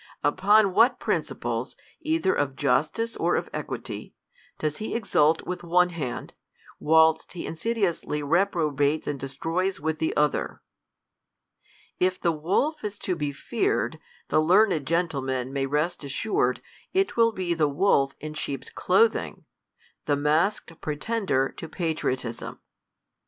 Uponwhat principles, either of justice or of equity, does he exult Avith one hand, whilst he insidiously reprobates and destroys with the other ? If the wolf is to be feared, the learned gentiemait may rest assured, it will be the wolf in sheep's clothing^? the masked pretender to patriotism.